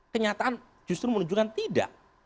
kenyataan justru menunjukkan tidak